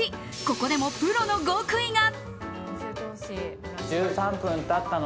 ここでもプロの極意が。